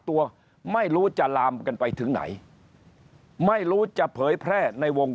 ตัวไม่รู้จะลามกันไปถึงไหนไม่รู้จะเผยแพร่ในวง